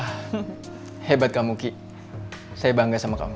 wah hebat kamu kiki saya bangga sama kamu